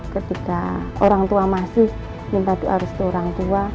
ketika orang tua masih minta doa restu orang tua